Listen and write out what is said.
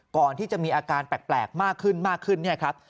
ก่อนที่จะมีอาการแปลกมากขึ้นมากขึ้นเนี่ยครับ